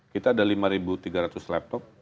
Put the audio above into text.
kita ada lima tiga ratus laptop